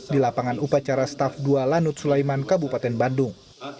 di lapangan upacara staff dua lanut sulaiman kabupaten bandung